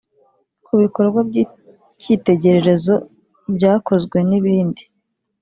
ku bikorwa by’icyitegererezo byakozwe n’ibindi”